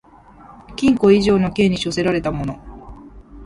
禁錮以上の刑に処せられた者